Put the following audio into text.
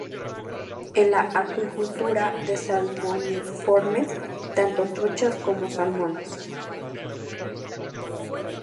Es la acuicultura de Salmoniformes, tanto truchas como salmones.